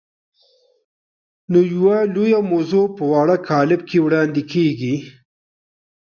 نو یوه لویه موضوع په واړه کالب کې وړاندې کېږي.